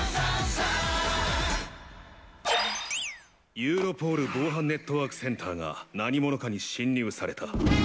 ユーロポール防犯ネットワークセンターが何者かに侵入された。